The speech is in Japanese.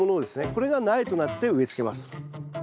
これが苗となって植え付けます。